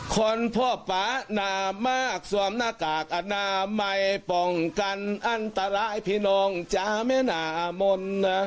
คนพ่อป๊าหนามากสวมหน้ากากอนามัยป้องกันอันตรายให้พี่น้องจ๊ะแม่นามนนะ